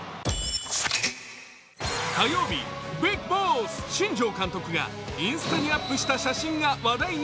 火曜日、ビッグボス新庄監督がインスタにアップした写真が話題に。